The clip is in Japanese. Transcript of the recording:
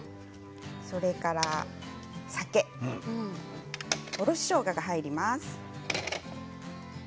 それからお酒おろししょうがが入ります。